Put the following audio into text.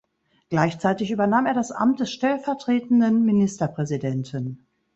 Gleichzeitig übernahm er das Amt des Stellvertretenden Ministerpräsidenten.